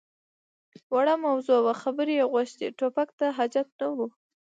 _وړه موضوع وه، خبرې يې غوښتې. ټوپک ته حاجت نه و.